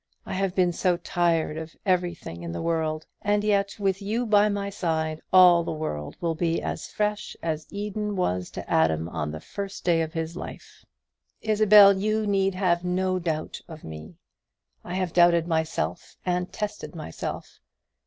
I have been so tired of everything in the world; and yet, with you by my side, all the world will be as fresh as Eden was to Adam on the first day of his life. Isabel, you need have no doubt of me. I have doubted myself, and tested myself.